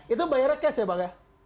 itu bayarnya cash ya bang ya